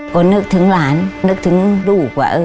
ก็นึกถึงหลานนึกถึงลูกว่า